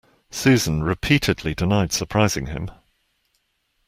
Susan repeatedly denied surprising him.